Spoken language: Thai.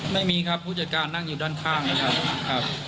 ไม่มีครับผู้จัดการนั่งอยู่ด้านข้างเลยครับ